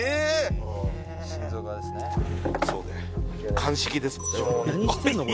「鑑識ですもんね」